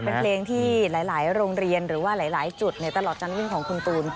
เป็นเพลงที่หลายโรงเรียนหรือว่าหลายจุดในตลอดการวิ่งของคุณตูน